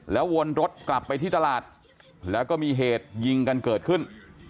วนรถกลับไปที่ตลาดแล้วก็มีเหตุยิงกันเกิดขึ้น